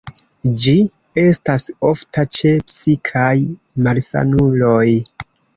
Ĝi estas ofta ĉe psikaj malsanuloj.